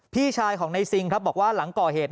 พี่ชายของในซิงครับบอกว่าหลังก่อเหตุ